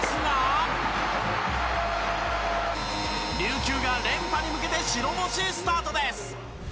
琉球が連覇に向けて白星スタートです。